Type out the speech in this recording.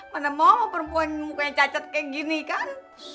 mana mau perempuan mukanya cacat kayak gini kan